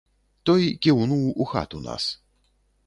Той кіўнуў у хату нас.